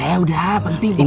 eh udah penting